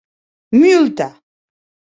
Multa!